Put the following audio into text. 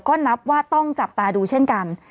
ก็นับว่าต้องจับตาดูเช่นกัน